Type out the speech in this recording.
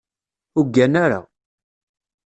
Ur ggan ara.